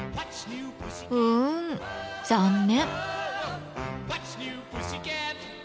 うん残念！